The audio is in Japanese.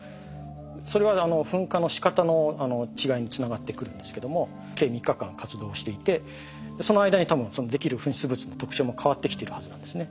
それは噴火のしかたの違いにつながってくるんですけども計３日間活動していてその間に多分できる噴出物の特徴も変わってきてるはずなんですね。